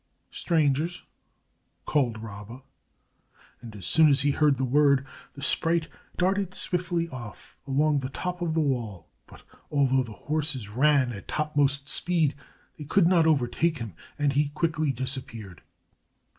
"Strangers," called Rabba, and as soon as he heard the word, the sprite darted swiftly off along the top of the wall. But although the horses ran at topmost speed, they could not overtake him, and he quickly disappeared.